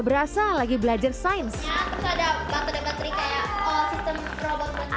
berasa lagi belajar sains ada bantuan bateri kayak oh sistem robot